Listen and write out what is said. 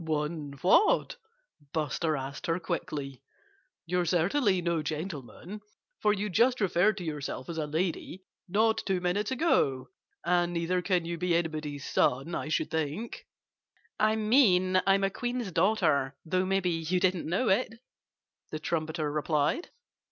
"One what?" Buster asked her quickly. "You're certainly no gentleman for you just referred to yourself as a lady not two minutes ago. And neither can you be anybody's son, I should think." "I mean I'm a queen's daughter though maybe you didn't know it," the trumpeter replied.